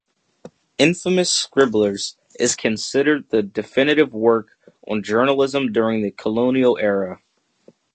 "Infamous Scribblers" is considered the definitive work on journalism during the colonial era.